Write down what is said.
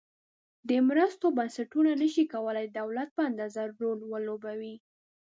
د مرستو بنسټونه نشي کولای د دولت په اندازه رول ولوبوي.